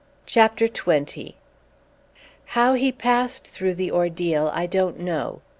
CHAPTER XX How he passed through the ordeal I don't know.